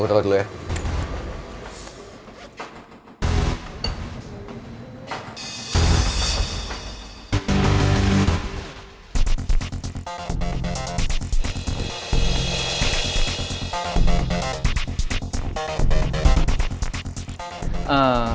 oke jangan lama lama